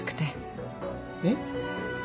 えっ？